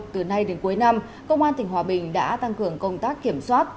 từ nay đến cuối năm công an tỉnh hòa bình đã tăng cường công tác kiểm soát